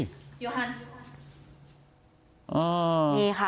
โอ้โหนี่ค่ะ